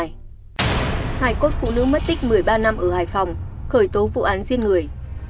hài cốt phụ nữ mất tích một mươi ba năm ở hải phòng khởi tố vụ án riêng người